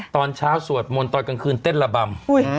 ตอนเช้าสวดมนตรกลางคืนเต็มรบรรม